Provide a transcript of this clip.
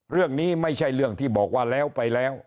เรื่องนี้ไม่ใช่เรื่องที่บอกว่าแล้วไปแล้ว